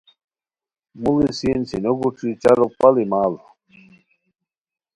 موڑی سین سینو گوݯی چارو پاڑی ماڑ